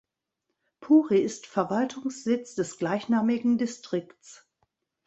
Puri ist Verwaltungssitz des gleichnamigen Distrikts.